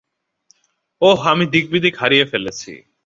ওহ আমি দিগ্বিদিক হারিয়ে ফেলেছি।